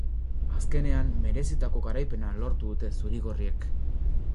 Azkenean, merezitako garaipena lortu dute zuri-gorriek.